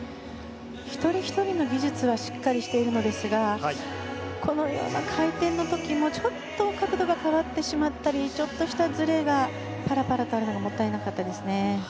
一人ひとりの技術はしっかりとしているのですがこのような回転の時もちょっと角度が変わってしまったりちょっとしたずれがパラパラとあるのがもったいなかったですね。